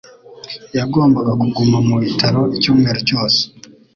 Yagombaga kuguma mu bitaro icyumweru cyose.